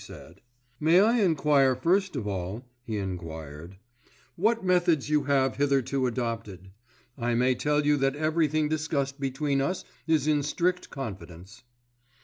she said. "May I enquire first of all," he enquired, "what methods you have hitherto adopted? I may tell you that everything discussed between us is in strict confidence."